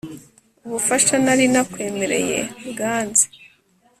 ubufasha nari nakwemereye bwanze